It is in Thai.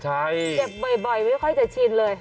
เก็บบ่อยไม่ค่อยจะชินเลย